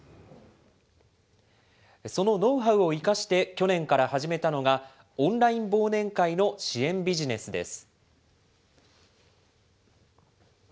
そのノウハウを生かして去年から始めたのが、オンライン忘年会の支援ビジネスです。